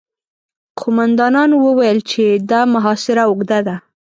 قوماندانانو وويل چې دا محاصره اوږده ده.